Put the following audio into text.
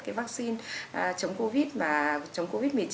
cái vaccine chống covid và chống covid một mươi chín